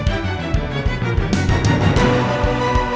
kok bener bener panas nih